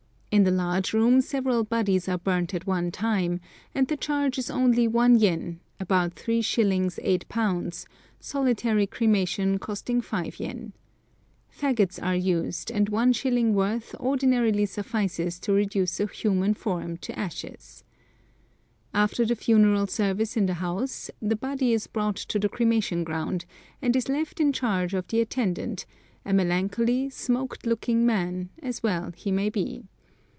In the large room several bodies are burned at one time, and the charge is only one yen, about 3s. 8d., solitary cremation costing five yen. Faggots are used, and 1s. worth ordinarily suffices to reduce a human form to ashes. After the funeral service in the house the body is brought to the cremation ground, and is left in charge of the attendant, a melancholy, smoked looking man, as well he may be.